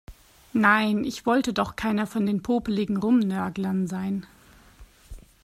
Nein, ich wollte doch keiner von den popeligen Rumnörglern sein.